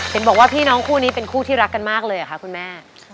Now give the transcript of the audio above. เห็นบอกว่าพี่น้องคู่นี้เป็นคู่ที่รักกันมากเลยเหรอคะคุณแม่